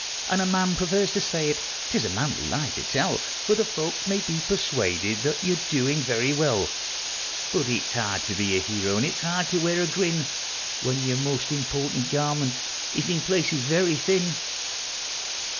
And a man prefers to say it 'tis a manly lie to tell, For the folks may be persuaded that you're doing very well ; But it's hard to be a hero, and it's hard to wear a grin, When your most important garment is in places very thin.